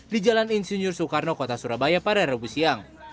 di jalan insinyur soekarno kota surabaya pada rabu siang